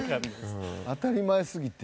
当たり前すぎて。